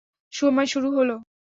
সময় শুরু হলো!